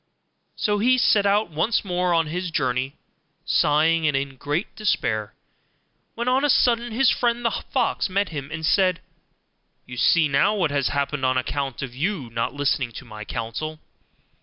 So he set out once more on his journey, sighing, and in great despair, when on a sudden his friend the fox met him, and said, 'You see now what has happened on account of your not listening to my counsel.